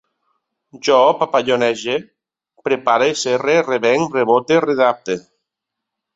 Jo papallonege, prepare, serre, revenc, rebote, readapte